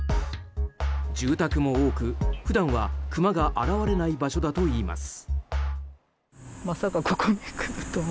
住宅も多く、普段はクマが現れない場所だといいます。